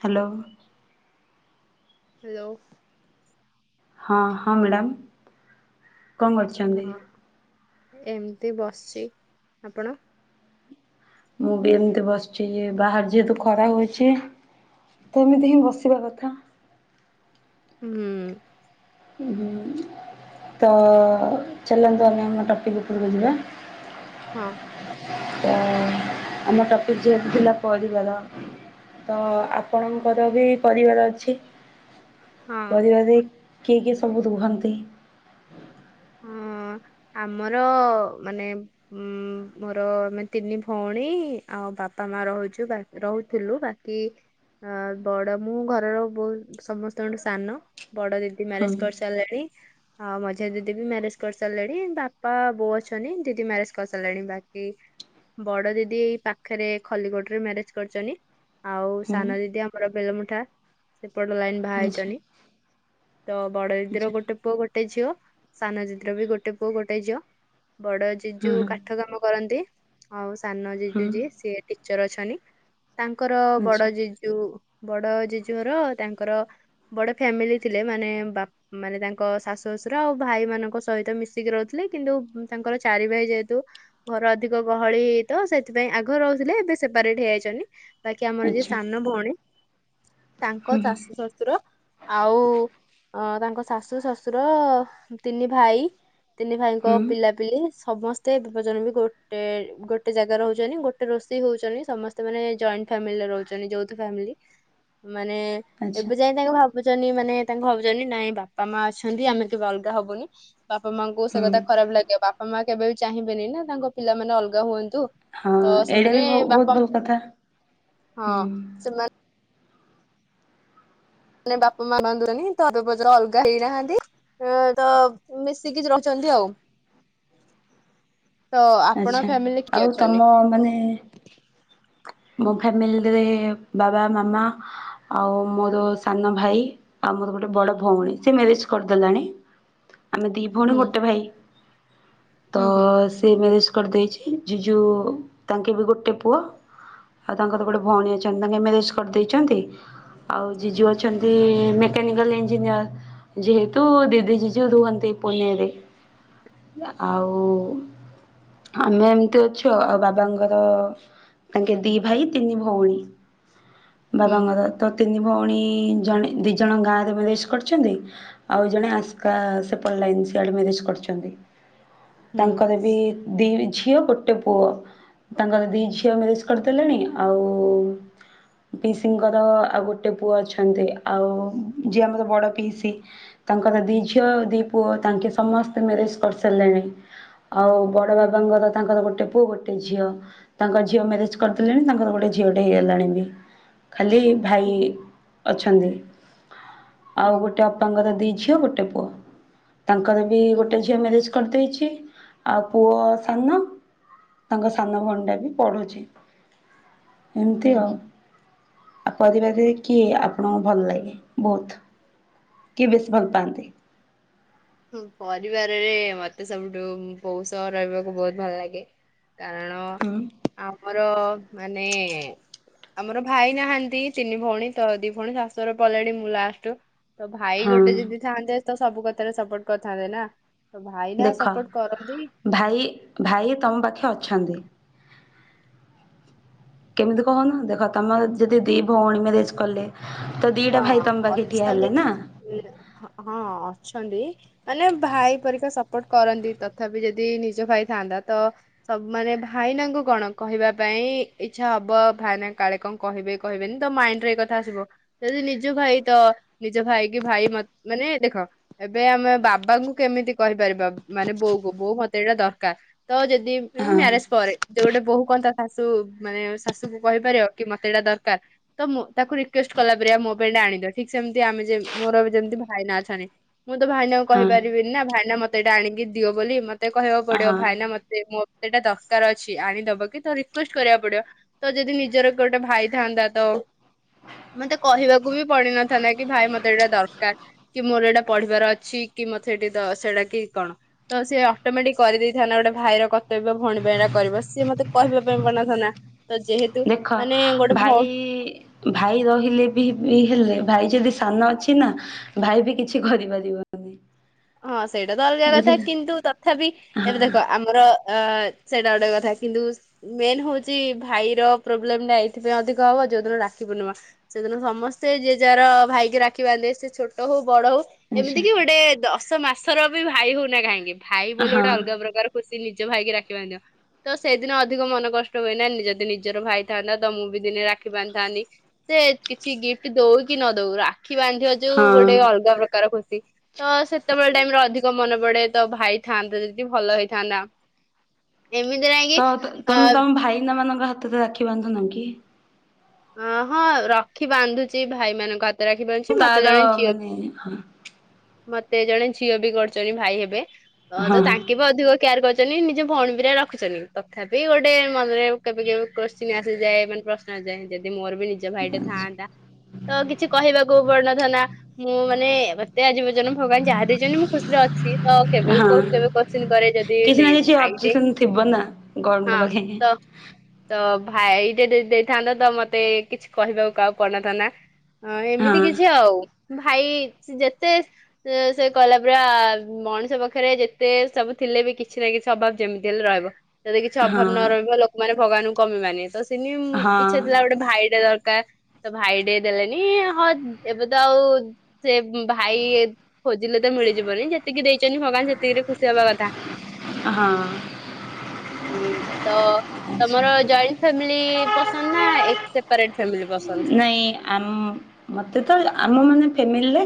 Hello hello ହଁ ହଁ madam. କଣ କରୁଛନ୍ତି? ହଁ ଏମିତି ବସିଛି। ଆପଣ? ମୁଁ ବି ଏମିତି ବସିଛି। ବାହାରେ ଯେହେତୁ ଖରା ହଉଛି ତ ଏମିତି ହିଁ ବସିବା କଥା। ହୁଁ ହୁଁ ତ ଚାଲନ୍ତୁ ଆମେ ଆମ ଟପିକ୍ ଉପରକୁ ଯିବା। ହଁ ତ ଆମ ଟପିକ୍ ଯେହେତୁ ଥିଲା ପରିବାର ତ ଆପଣଙ୍କର ବି ପରିବାର ଅ ଅଛି ହଁ ପରିବାରେ କିଏ କିଏ ସବୁ ରୁହନ୍ତି? ହଁ ଆମର ମାନେ ଉ ମୋର ଆମେ ତିନି ଭଉଣୀ, ଆଉ ବାପା ମା ରହୁଛୁ ବାକ୍ ରହୁଥିଲୁ ବାକି ଅ ବଡ ମୁଁ ଘରର ବହୁ ସମସ୍ତଙ୍କଠୁ ସାନ। ବଡ ଦିଦି ହଁ ମ୍ୟାରେଜ୍ କରିସାରିଲାଣି। ହଁ ମଝିଆ ଦି ଦିଦି ବି ମ୍ୟାରେଜ୍ କରିସାରିଲେଣି। ବାପା ବୋଉ ଅଛନ୍ତି ଦିଦି ମ୍ୟାରେଜ କରିସାରିଲାଣି ବାକି ବଡଦିଦି ଏଇ ପାଖରେ ଖଲିକୋଟ୍ ରେ ମ୍ୟାରେଜ୍ କରିଛନ୍ତି ଆଉ ହଁ ସାନ ଦିଦି ଆମର ବେଲମୁଠା ପଟ ଲାଇନ୍ ବାହା ଆଚ୍ଛା ହେଇଛନ୍ତି। ଆଚ୍ଛା ତ ବଡ ଦିଦି ଟା ଗୋଟେ ପୁଅ ଗୋଟେ। ଗୋଟେ ଝିଅ। ସାନ ଦିଦିର ବି ଗୋଟେ ପୁଅ ଗୋଟେ ଝିଅ। ବଡ ଜୀଜୁ ହଁ କାଠ କାମ କରନ୍ତି। ହଉ ସାନ ହଁ ହଁ ଯିଯୁ ଯିଏ ସିଏ ଟିିଚର ଅଛନ୍ତି। ତାଙ୍କର ଆଚ୍ଛା ବଡ ଯିଜୁ। ବଡ ଜିଯୁ ଘର ତାଙ୍କର ବଡ ଫ୍ୟାମିଲି ଥିଲେ ମାନେ ବା ମାନେ ତାଙ୍କ ଶାଶୁ ଶଶୁର ଆଉ। ଭାଇ ମାନଙ୍କ ସହିତ ମିଶିକି ରହୁଥିଲେ କିନ୍ତୁ ତାଙ୍କର ଚାରି ଭାଇ ଯେହେତୁ ଘର ଅଧିକ ଗହଳି ହେଇ ତ ସେଥିପାଇଁ ଆଗ ରହୁଥିଲେ ଏବେ ସେପାରେଟ ହେଇଯାଇଛନ୍ତି। ବାକି ଆମର ଯିଏ ଆଚ୍ଛା ସାନ ଭଉଣୀ ତାଙ୍କ ହୁଁ ଶାଶୁ ଶଶୁର ଆଉ ତାଙ୍କ ତାଙ୍କ ଶାଶୁ ଶ୍ୱଶୁର। ତିନି ଭାଇ ତିନି ଭାଇଙ୍କ ହୁଁ ପିଲାପିଲି। ସମସ୍ତେ ବିପଜନ ବି ଗୋଟେ ଗୋଟେ ଜାଗା ରହୁଛନ୍ତି ଗୋଟେ ରୋଷେଇ ହଉଛନ୍ତି ସମସ୍ତେ ମାନେ ଜଏଣ୍ଟ ଫ୍ୟାମିଲିରେ ରହୁଛନ୍ତି ଯୌଥ ଫାମିଲି। ମାନେ ଆଚ୍ଛା ଏବେ ଯାଇ ତାଙ୍କୁ ଭାବୁ ଭାବୁଛନ୍ତି ମାନେ ତାଙ୍କୁ ଭାବୁଛନ୍ତି ନାଇଁ ବାପା ମା ଅଛନ୍ତି ଆମେ କେବେ ଅଲ୍ ହବୁନି। ବାପା ମାଙ୍କୁ ସେ ହୁଁ କଥା ଖରାପ ଲାଗିବ ବାପା ମା କେବେ ବି ଚାହିଁବେନି ନା ତାଙ୍କ ପିଲାମାନେେ ଅଲଗା ହୁଅନ୍ତୁ। ହଁ ତ ଏଇଟା ସେମାନେ ବି ବହୁତ ବାପା ଭଲ କଥା ହଁ ହୁଁ। ସେମାନେ ମାନେ ବାପା ମା ବାନ୍ତୁନି ତ ଏବେପଚ୍ର ଅଲଗା ହେଇନାହାନ୍ତି ତ ମିଶିକି ରହୁଛନ୍ତି ଆଉ। ତ ଆପଣ ଆଛା ଫ୍ୟାମିଲି କିଏ ଆଉ ଅଛନ୍ତି? ତମ ମାନେ ଫ୍ୟାମିଲିରେ ବାବା ମାମା ଆଉ ମୋର ସାନ ଭାଇ ଆଉ ମୋର ଗୋଟେ ବଡ଼ ଭଉଣୀ ସେ ମ୍ୟାରେଜ କରିଦେଲାଣି। ଆମେ ଦି ଭଉଣୀ ହୁଁ ଗୋଟେ ଭାଇ। ହୁଁ ହୁଁ ତସ୍ ମ୍ୟାରେଜ କରିଦେଇଛି, ଜିଜୁ ତାଙ୍କେ ବି ଗୋଟେ ପୁଅ ଆଉ ତାଙ୍କର ଗୋଟେ ଭଉଣୀ ଅଛନ୍ତି, ତାଙ୍କେ ମ୍ୟାରେଜ କରିଦେଇଛନ୍ତି, ଆଉ ଜିଜୁ ଅଛନ୍ତି ମେକାନିକାଲ୍ ଇଞ୍ଜିନିୟର ଯେହେତୁ ଦିଦି ଜିଜୁ ରୁହନ୍ତି ପୁନେରେ ଆଉ ଆମେ ଏମିତି ଅଛୁ ଆଉ ବାବାଙ୍କର ତାଙ୍କେ ଦି ଭାଇ ତିନି ଭଉଣୀ। ବାବାଙ୍କର ତ ତି ତିନି ଭଉଣୀ ଜଣେ ଦିଇ ଜଣ ଗାଁ ରେ ମ୍ୟାରେଜ କରିଛନ୍ତି ଆଉ ଜଣେ ଆସ୍କା ସେ ପଟଲାଇନ୍ ସିଆଡ଼େ ମ୍ୟାରେଜ କରିଛନ୍ତି। ହୁଁ ତାଙ୍କର ବି ଦି ଝିଅ ଗୋଟେ ପୁଅ ତାଙ୍କର ଦି ଝିଅ ମ୍ୟାରେଜ କରିଦେଲେଣି ଆଉ ପିଇସିଙ୍କର ଆଉ ଗୋଟେ ପୁଅ ଅଛନ୍ତି ଆଉ ଯିଏ ଆମର ବଡ଼ ପିଇସି ତାଙ୍କର ଦି ଝିଅ ଆଉ ଦି ପୁଅ ତାଙ୍କେ ସମସ୍ତେ ମ୍ୟାରେଜ କରିସାରିଲେଣି ଆଉ ବଡ଼ ହୁଁ ବାବାଙ୍କର ତାଙ୍କର ଗୋଟେ ଗୋଟେ ପୁଅ ଗୋଟେ ଝିଅ ତାଙ୍କ ଝିଅ ମ୍ୟାରେଜ କରିଦେଲେଣି ତାଙ୍କର ଗୋଟେ ଝିଅଟେ ହେଇଗଲାଣି ବି ଖାଲି ଭାଇ ହୁଁ ଅଛନ୍ତି। ଆଉ ହୁଁ ଗୋଟେ ଅପାଙ୍କର ଦି ଝିଅ ଗୋଟେ ପୁଅ। ତାଙ୍କର ବି ହୁଁ ଗୋଟେ ଝିଅ ମ୍ୟାରେଜ୍ କରିଦେଇଛି ଆଉ ପୁଅ ସାନ ତାଙ୍କ ସାନ ଭଉଣୀ ଟା ବି ପଢ଼ୁଛି। ଏମିତି ହୁଁ ହୁଁ। ଆଉ । ଆଉ ପରିବାରରେ କିଏ ଆପଣଙ୍କୁ ଭଲ ଲାଗେ ବହୁତ କିଏ ବେଶୀ ଭଲ ପାଆନ୍ତି? ପରିବାରରେ ମତେ ସବୁଠୁ ବୋଉ ସହ ରହିବାକୁ ବହୁତ ଭଲ ଲାଗେ । କାରଣ ହୁଁ। ଆମର ମାନେ ଆମର ଭାଇ ନାହାଁନ୍ତି ତିନି ଭଉଣୀ ତ ଦି ଭଉଣୀ ଶାଶୂଘର ପଳେଇଲେଣି ମୁଁ ଲାଷ୍ଟ । ତ ଭାଇ ହଁ ଗୋଟେ ଯଦି ଥାନ୍ତେ ତ ସବୁ କଥାରେ ସପୋର୍ଟ କରିଥାନ୍ତେ ନା । ଦେଖ ଭାଇ ଭାଇ ତମ ପାଖେ ଅଛନ୍ତି । କେମିତି କହୁନ ଦେଖ ତମର ଯଦି ଦି ଭଉଣୀ ମ୍ୟାରେଜ କଲେ ତ ଦିଟା ହଁ ଭାଇ ତମ ପାଖେ ଠିଆ ହେଲେ ଅଛନ୍ତି ନା। ହଁ ଅଛନ୍ତି ମାନେ ଭାଇ ପରିକା ସପୋର୍ଟ କରନ୍ତି ତଥାପି ଯଦି ନିଜ ଭାଇ ଥାଆନ୍ତା ତ ସବୁ ମାନେ ଭାଇନାଙ୍କୁ କଣ କହିବା ପାଇଁ ଇଚ୍ଛା ହବ ଭାଇନା କାଳେ କଣ କହିବେ କହିବେନି ତ ମାଇଣ୍ଡ ରେ ଏକଥା ଆସିବ ଯଦି ନିଜ ଭାଇ ତ ନିଜ ଭାଇ କି ଭାଇ ମାନେ ଦେଖ ଏବେ ଆମେ ବାବାଙ୍କୁ କେମିତି କହିପାରିବା ମାନେ ବୋଉ କୁ ବୋଉ ମତେ ଏଇଟା ଦରକାର ତ ଯଦି ହଁ ମ୍ୟାରେଜ ପରେ ଯୋଉ ଗୋଟେ ବୋହୂ କଣ ତା ଶାଶୂ ମାନେ ଶାଶୂକୁ କହିପାରିବ କି ମତେ ଏଇଟା ଦରକାର ତ ମୁଁ ତାକୁ ରିକୁଏଷ୍ଟ କଲାପରିଆ ମୋ ପାଇଁ ଏଇଟା ଆଣିଦିଅ ଠିକ ସେମିତି ଆମେ ମୋର ବି ଯେମିତି ଭାଇନା ଅଛନ୍ତି ମୁଁ ତ ଭାଇନାଙ୍କୁ କହିପାରିବିନି ନା ଭାଇନା ମତେ ମତେ ଏଟା ଆଣିକି ଦିଅ ବୋଲି ମତେ କହିଆକୁ ପଡିବ ହଁ ଭାଇନା ମତେ ମୋ ସେଟା ଦରକାର ଅଛି ଆଣିଦବକି ତ ରିକୁଏଷ୍ଟ କରିବାକୁ ପଡିବ ତ ଯଦି ନିଜର ଗୋଟେ ଭାଇ ଥାନ୍ତା ତ ମତେ କହିବାକୁ ବି ପଡିିନଥାନ୍ତା କି ଭାଇ ମତେ ଏଇଟା ଦରକାର କି ମୋର ଏଇଟା ପଢିବାର ଅଛି କି ମତେ ଏଠି ସେଇଟା କି କଣ ତ ସିଏ ଅଟୋମେଟିକ କରିଦେଇଥାନ୍ତା ଗୋଟେ ଭାଇର କର୍ତ୍ତବ୍ୟ ଭଉଣୀ ଏଟା କରିବାର ସିଏ ମତେ କହିବା ପାଇଁ ପଡିନଥାନ୍ତା ତ ଯେହେତୁ ଦେଖ ମାନେ ଗୋଟେ ଭଉଣୀ ଭାଇ ଭାଇ ରହିଲେ ହେଲେ ଭାଇ ଯଦି ସାନ ଅଛି ନା ଭାଇ ବି କିଛି କରିପାରିବନି । ହଁ ସେଇଟା ତ ଅଲଗା କଥା କିନ୍ତୁ ତଥାପି ହଁ ଏଇଟା ଦେଖ ଆମର ଅ ସେଇଟା ଗୋଟେ କଥା କିନ୍ତୁ ମେନ୍ ହଉଛି ଭାଇର ପ୍ରୋବ୍ଲେମ ଟା ଏଇଥିପାଇଁ ଅଧିକ ହବ ଯୋଉଦିନ ରାକ୍ଷୀ ପୂର୍ଣ୍ଣିମା ସେଦିନ ସମସ୍ତେ ଯିଏ ଯାହାର ଭାଇକି ରାକ୍ଷୀ ବାନ୍ଧିବେ ସେ ଛୋଟ ହଉ ବଡ ହଉ ଆଛା ଏମିତି କି ଗୋଟେ ମାସର ବି ଭାଇ ହଉନା କାହିଁକି ଭାଇ ବୋଲି ଗୋଟେ ହଁ ଅଲଗା ପ୍ରକାର ଖୁସି ନିଜ ଭାଇ କିି ରାକ୍ଷୀ ବାନ୍ଧିବ ତ ସଇଦିନ ଅଧିକ ମନ କଷ୍ଟ ହୁଏନା ଯଦି ନିଜର ଭାଇ ଥାନ୍ତା ତ ମୁଁ ବି ଦିନେ ରାକ୍ଷୀ ବାନ୍ଧିଥାନ୍ତି ସେ କିଛି ଗିଫ୍ଟ ଦଉ କି ନ ଦଉ ରା ରାକ୍ଷୀ ବାନ୍ଧିବ ଯଉ ଗୋଟେ ହଁ। ଅଲଗା ପ୍ରକାର ଖୁସ ଛି ତ ସେ। ସେତେବେଳ ଟାଇମରେ ଅଧିକ ମନ ପଡେ। ତ ଭାଇଥାନ୍ତେ ଯଦି ଭଲ ହେଇଥାନ୍ତା। ଏମିତି ନାଇଁ କି ତ ତ ତମ୍ ତମ ଭାଇନା ମାନଙ୍କ ହାତରେ ରାକ୍ଷୀ ବାନ୍ଧୁନ କି? ଅ ହଁ ରଖି ବାନ୍ଧୁଛି ଭାଇମାନଙ୍କ ହା ତାର ମାନେ ହଁ ମତେ ଜଣେ ଝିଅ ବି କରିଛନ୍ତି ଭାଇ ହେବେ। ଅ ତ ତାଙ୍କେ ହଁ ବି ଅଧିକ କେୟାର କରି ଚନି ନିଜ ଭଉଣୀ ପରିକା ରଖୁଚନି। ତଥାପି ଗୋଟେ ମନରେ କେବେ କେବେ କୋଶ୍ଚିନ୍ ଆସିଯାଏ ମାନେ ପ୍ରଶ୍ନ ଆସିଯାଏ ଯଦି ମୋର ବି ନିଜ ଭାଇଟେ ଥାଆନ୍ତା। ତ କିଛି କହିବାକୁ ପଡିନଥାନ୍ତା। ମୁଁ ମାନେ ମୋତେ ଆଜି ପର୍ଯ୍ୟନ୍ତ ଭଗବାନ ଯାହା ଦେଇଛନ୍ତି ମୁଁ ଖୁସିରେ ଅଛି। ତ କେବେ ହଁ କ କେବେ କୋଶ୍ଚିିନ କରେ ଯଦି କିଛି ନା ଦେଇ କିଛି ଭାଇଟେ ଅବଜେକ୍ସନ ଥିବ ନା ଗଡଙ୍କ ହଁ ପାଖେ ତ ତ ଭାଇ ଟେ ଦେ ଦେଇଥାନ୍ତେ ତ ମ ମତେ କିଛି କହିବାକୁ କାହାକୁ ପଡ଼ିନଥାନ୍ତା। ହଁ ଏମିତି କିଛି ଆଉ। ଭାଇ ଯେତେ ସେ ଏ କହିଲା ପରା-ରା-ରା ମଣିଷ ପାଖରେ ଯେତେ ସବୁ ଥିଲେ ବି କିଛି ନା କିଛି ଅଭାବ ଯେମିତି ହେଲେ ରହିବ। ଯଦି କିଛି ଅଭାବ ହଁ ନ ରହିବ ଲୋକମାନେ ଭଗବାନ ଙ୍କୁ କଣ ପାଇଁ ମାନିବେ ତ ସେ ତିନିମ୍ ହଁ ଇଚ୍ଛା ଥିଲା ଗୋଟେ। ଏଇଟା ଦରକାର ତ ଭାଇ ଟେ ଦେଲେନି। ହଁ ଏବେ ତ ଆଉ-ଉ-ଉ ସେ ଭାଇ-ଇ-ଇ ଖୋଜିଲେ ତ ମିଳିଯିବନି। ଯେତିକି ଦେଇଛନ୍ତି ଭଗବାନ ସେ ତିକିରେ ଖୁସି ହବା କଥା। ହଁ। ହୁଁ। ତ-ଅ-ଅ ତମର ଜଏଣ୍ଟ ଫ୍ୟାମିଲି-ଲି-ଲି ପସନ୍ଦ ନା-ନା-ନା ଏ ସେପାରେଟ୍ ନାଇଁ-ଇଁ-ଇଁ ଆମ-ମ-ମ ମତେ ତ ଆମ ମାନେ ଫେମିଲ ରେ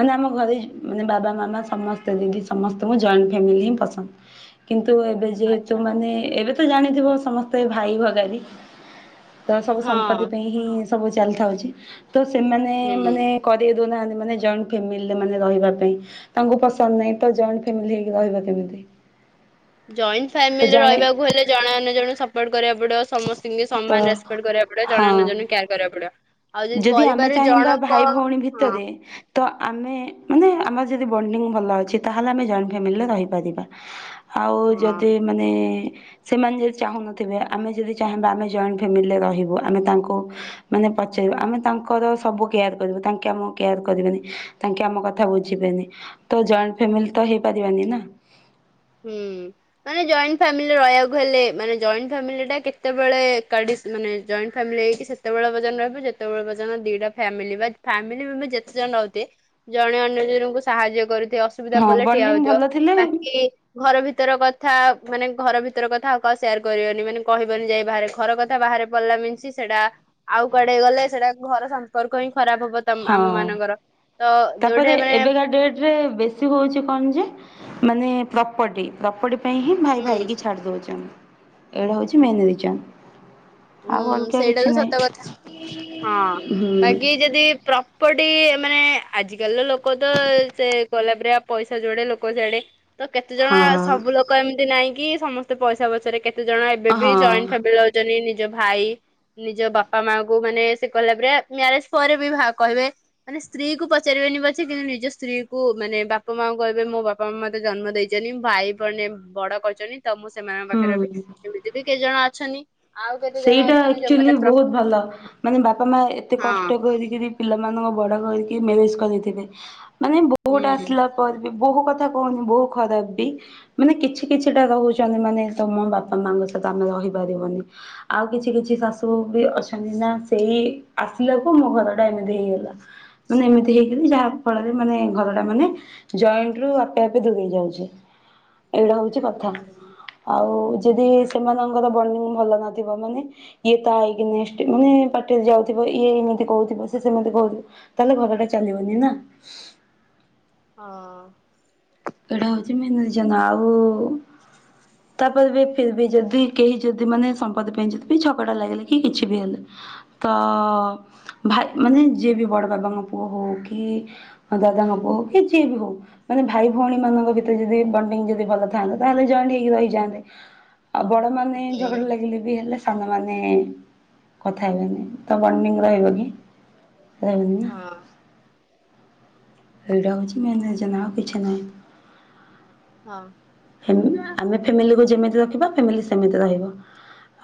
ମାନେ ଆମ ଘରେ ଯ ବାବା, ମାମା ସମସ୍ତେ ଦିିଦି ସମସ୍ତ ଙ୍କୁ ଜଏଣ୍ଟ ଫ୍ୟାମିଲି ହିଁ ପସନ୍ଦ। କିନ୍ତୁ ଏବେ ଯେହେତୁ ଆଚ୍ଛା। ମାନେ ଏ-ଏ ଏବେ ତ ତ ଜାଣିଥିବ ସମସ୍ତେ ଭାଇ ଭଗାରୀ। ତ ସବୁ ହଁ ସମ୍ପତ୍ତି ହିଁ ସବୁ ଚାଲିଥାଉଛି। ତ ସେମାନେ-ନେ-ନେ ହୁଁ। ମାନେ କରି ଦଉନାହାନ୍ତି ମାନେ ଜଏଣ୍ଟ ଫ୍ୟାମିଲିରେ ମାନେ ରହିବା ପାଇଁ। ତାଙ୍କୁ ପସନ୍ଦ ନାହିଁ ତ ଜଏଣ୍ଟ ଫ୍ୟାମଲି ହେଇକି ରହିବା କେମତି। ଜଏଣ୍ଟ ଫ୍ୟାମିଲିରେ ରହିବାକୁ ହେଲେ ଜଣେ ଅନ୍ୟ ଜଣଙ୍କୁ ସପୋର୍ଟ କରିବାକୁ ପଡିବ ସମସ୍ତିଙ୍କି ତ ସମାନ ରେସପେକ୍ଟ କରିବାକୁ ପଡିବ। ଜଣେ ଅନ୍ୟ ହଁ ଜଣଙ୍କୁ କେୟାର କରିବାକୁ ପଡିବ। ଆଉ ଯଦି ଆମେ ପରିବାରରେ ଚାହିଁବା ଜଣଙ୍କ ଭାଇ ଭଉଣୀ ହଁ ଭିତରେ ତ ଆମେ ମାନେ ଆମର ଯଦି ବଣ୍ଡିଙ୍ଗ ଭଲ ଅଛି ତାହେଲେ ଆମେ ଜଏଣ୍ଟ ଫ୍ୟାମିଲିରେ ରହିପାରିବା। ଆଉ ହଁ। ଯଦି ମାନେ-ଏ-ଏ ସେମାନେ ଯଦି ଚାହୁଁନଥିବେ ଆମେ ଯଦି ଚାହିଁବା ଆମେ ଜଏଣ୍ଟ ଫାମିଲିରେ ରହିବୁ ଆମେ ତାଙ୍କୁ ମାନେ ପଚ ରିବୁ ଆମେ ତାଙ୍କର ସବୁ କେୟାର କରୁ ତାଙ୍କେ ଆମ କେୟାର କରିବେନି ତାଙ୍କେ ଆମ କଥା ବୁଝିବେନି, ତ ଜଏଣ୍ଟ ଫ୍ୟାମିଲି ତ ହେଇପାରିବାନି ନା। ହୁଁ ମାନେ ଜଏଣ୍ଟ ଫ୍ୟାମିଲି ରହିବାକୁ ହେଲେ ମାନେ ଜଏଣ୍ଟ ଫ୍ୟାମିଲି ଟା କେତେବେଳେ କାଡ଼ିଶ୍ ମାନେ ଜଏଣ୍ଟ ଫାମିଲ ହେଇକି ସେତେବେଳେ ପର୍ଯ୍ୟନ୍ତ ରହିବ ଯେତେବେଳେ ପର୍ୟ୍ୟନ୍ତ ଦିଟା ଫାମିଲି ବା ଫାମିଲି ଯେତେ ଜଣ ରହୁଥିବେ ଜଣେ ଅନ୍ୟ ଜଣଙ୍କୁ ସାହାଯ୍ୟ କରୁ। ଟେ ଅସୁବିଧା ହଁ ପଡ଼ିଲେ ଠିଆ ବଣ୍ଡିଙ୍ଗ ହଉଥିବ ଭଲ ଥିଲେ ବାକି। ଘର ଭିତର କଥା ମାନେ ଘର ଭିତର କଥା ଆଉ କାହା ସେୟାର କରିବନି ମାନେ କହିବନି ଯାଇ ବାହାରେ ଘର କଥା ବାହାରେ ପଡିଲା ମିନଶ୍ ସେଟା ଆଉ କୁଆଡେ ଗଲେ ସେଟା ଘର ସମ୍ପର୍କ ହିଁ। ଖରାପ ହବ ତମ ହଁ ଆମ ମାନଙ୍କର ତ ଯୋଉଟା ତାପରେ ମାନେ ଏବେକା ଡେଟ ରେ ବେଶୀ ହଉଛି କଣ ଯେ। ମାନେ ପ୍ରପର୍ଟି ପ୍ରପର୍ଟି। ପାଇଁ ହିଁ ଭାଇ ହୁଁ ଭାଇ କି ଛାଡି ଦଉଛନ୍ତି। ଏଇଟା ହଉଛି ମେନ୍ ରିଜନ। ଉଁ ଆଉ ଅଲଗା ସେଇଟା କିଛି ତ ସତ ନାହିଁ କଥା ହଁ ହୁଁ। ବାକି ଯଦି। ପ୍ରପର୍ଟି ମାନେ ଆଜିକାଲିର ଲୋକ ତ ସେ ଗଲାପ ପଇସା ଯୋଡେ ଲୋକ ସୀଆଡେ। ତ କେତେ ଜଣ ସବୁ ହଁ ଲୋକ ଏମିତି ନାହିଁ। କି ସମସ୍ତେ ପଇସା ପଛରେ କେତେ। ଜଣ ଏବେ ବି ହଁ ଜଏଣ୍ଟ ଫ୍ୟାମିଲିରେ ରହୁଛନ୍ତି। ନିଜ ଭାଇ ନିଜ ବାପା ମା କୁ ମାନେ ସେ କହିଲା ପରେ ମ୍ୟାରେଜ ପରେ ବି କହିବେ ମାନେ ସ୍ତ୍ରୀ କୁ ପଚାରିବେନି ପଛେ କିନ୍ତୁ ନିଜ ସ୍ତ୍ରୀ କୁ ମାନେ ବାପା ମାଙ୍କୁ କହିବେ ମୋ ବାପା ମା ମତେ ଜନ୍ମ ଦେଇଛନ୍ତି ଭାଇ ମାନେ ବଡ କରିଛନ୍ତି। ତ ମୁଁ ସେମାନଙ୍କ ପାଖରେ ବି ହୁଁ। ଏମିତି ବି କେତେ ଜଣ ଅଛନ୍ତି। ଅଛନି ସେଇଟା ଆକ୍ଚୁଆଲି ବହୁତ ଭଲ ମାନେ ବାପା ମା ଏତେ ହଁ କଷ୍ଟ କରିକରି ପିଲାମାନଙ୍କୁ ବଡ କର। ମ୍ୟାରେଜ କରିଥିବେ। ମାନେ ବୋହୂ ଟା ହୁଁ। ଆସିଲା ପରେ ବି। ବୋହୁ କଥା କହୁନି ବୋହୂ ଖରାପ ବି ମାନେ କିଛି କିଛିଟା ରହୁଛନ୍ତି ମାନେ ତମ ବାପା ମାଙ୍କ ସହିତ ଆମେ ରହିପାରିବୁନି। ଆଉ କିଛି କିଛି ଶାଶୁ ବି ଅଛନ୍ତି ନା ସେଇ ଆସିଲାକୁ ମୋ ଘର ଟା ଏମିତି ହେଇଗଲା ମାନେ ଏମିତି ହେଇଗଲି ଯାହା ଫଳରେ ମାନେ ଘରଟା ମାନେ ଜଏଣ୍ଟ ରୁ ଆପେ ଆପେ ଦୂରେଇ ଯାଉଛି। ଏଇଟା ହଉଛି କଥା ହୁଁ ଆଉ। ଯଦି ସେମାନଙ୍କର ବଣ୍ଡିଙ୍ଗ ଭଲ ନ ମାନେ ଇଏ ତା ହେଇକି ମାନେ ପାଟିରେ ଯାଉଥିବ ଇଏ ଏମିତି କହୁଥିବ ସେ ସେମିତି କହୁଥିବ ତାହେଲେ ଘରଟା ଚାଲିବନି ନା। ହଁ ଏଇଟା ହଉଛି ମେନ୍ ରିଜନ ଆଉ ତାପରେ ବି ଫିର୍ ବି ଯଦି କେହି ଯଦି ମାନେ ସମ୍ପତ୍ତି ପାଇଁ ଯଦ ଛକଟା ଲାଗିଲେ କି କିଛି ବି ହେଲେ ତ ଭାଇ ମାନେ ଯିଏ ବି ବଡ ବାବାଙ୍କ ପୁଅ ହଉ କି ଦାଦାଙ୍କ ପୁଅ ହଉ କି ଯିଏ ବି ହଉ ମାନେ ଭାଇ। ଭଉଣୀ ମାନଙ୍କ ଭିତରେ ଯଦି ବିଣ୍ଡିଂ ଯଦି ଭଲ ଥାନ୍ତା ତାହେଲେ ଜଏଣ୍ଟ ହେଇକି ରହି ଯାଆନ୍ତେ। ଆଉ ବଡ ମାନେ ଝଗଡା ଲାଗିଲେ ବି ହେଲେ। ସାନମାନେ କଥା ହେବେନି ତ ବଣ୍ଡିଙ୍ଗ ରହିବ କି? [inaudible] ରହୁଛି ମନ ଯେନା କିଛି ନାହି ହଁ ଆମେ ଫ୍ୟାମିଲିକୁ ଯେମିତି ରଖିବା ଫ୍ୟାମିଲି ସେମିତି ରହିବ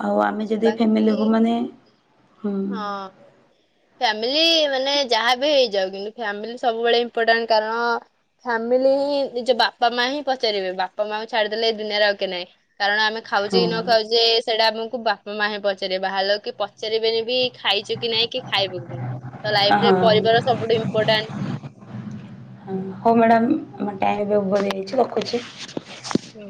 ଆଉ ଆମେ ଯଦି ବାକି ଫ୍ୟାମିଲିକୁ ମାନେ ହୁଁ ହଁ ଫ୍ୟାମିଲି ମାନେ ଯାହାବି ଯାଉ କିନ୍ତୁ ଫାମିଲି ସବୁବେଳେ ଇମ୍ପୋଟାଣ୍ଟ କାରଣ ଫ୍ୟାମିଲି ହିଁ ନିଜ ବାପା ମା ହିଁ ପଚାରିବେ ବାପା ମାଙ୍କୁ ଛାଡିଦେଲେ ଏ ଦୁନିଆରେ ଆଉ କେ ନହିଁ କାରଣ ଆମେ ଖାଉଛେ ହଁ କି ନ ଖାଉଛେ ସେଇଟା ଆମକୁ କୁବା ମୋ ମାହିେଁ ପଚାରିବ ବାହାରଲ କି ପଚାରିବେନି ବି ଖାଇଛୁ କି ନାଇଁ କି ଖାଇବୁ କି ନାଇଁ ତ ହଁ ଲାଇଫରେ ହଁ ପରିବାର ସବୁଠୁ ଇମ୍ପଟାଣ୍ଟ ହଉ ମ୍ୟାଡ଼ାମ ଆମ ଟାଇମ ଅଭର ହୋଇ ଯାଇଛି ରଖୁଛି ହୁଁ